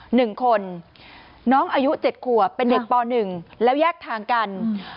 หนึ่งคนน้องอายุ๗ขวบเป็นเด็กป๑แล้วแยกทางกัน